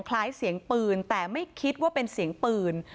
คล้ายเสียงปืนแต่ไม่คิดว่าเป็นเสียงปืน